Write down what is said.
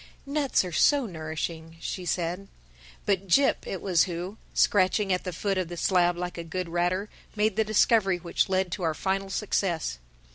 "Nuts are so nourishing," she said. But Jip it was who, scratching at the foot of the slab like a good ratter, made the discovery which led to our final success.